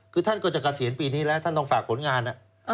คือท่านก็จะเกษียณปีนี้แล้วท่านต้องฝากผลงาน